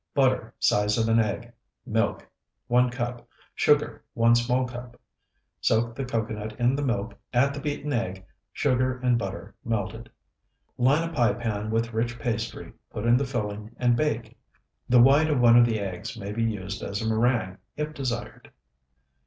Butter, size of an egg. Milk, 1 cup. Sugar, 1 small cup. Soak the cocoanut in the milk, add the beaten egg, sugar, and butter melted. Line a pie pan with rich pastry, put in the filling, and bake. The white of one of the eggs may be used as a meringue, if desired.